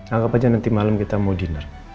anggap aja nanti malem kita mau diner